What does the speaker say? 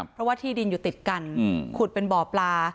เพราะว่าที่ดินอยู่ติดกันขุดเป็นบ่อปลา